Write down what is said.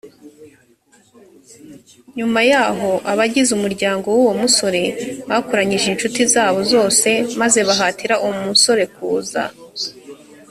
nyuma yaho abagize umuryango w uwo musore bakoranyije incuti zabo zose maze bahatira uwo musorekuza